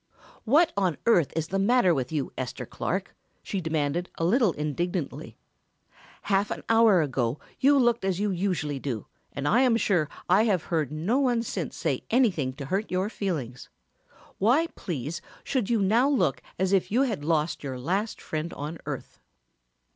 "What on earth is the matter with you, Esther Clark?" she demanded a little indignantly. "Half an hour ago you looked as you usually do, and I am sure I have heard no one since say anything to hurt your feelings. Why, please, should you now look as if you had lost your last friend on earth?"